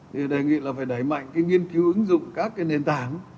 thì đề nghị là phải đẩy mạnh cái nghiên cứu ứng dụng các cái nền tảng